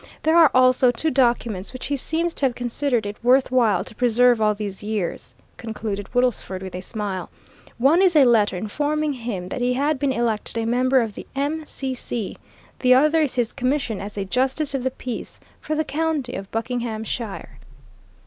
There are also two documents which he seems to have considered it worth while to preserve all these years," concluded Woodlesford with a smile. "One is a letter informing him that he had been elected a member of the M.C.C.; the other is his commission as a justice of the peace for the county of Buckinghamshire."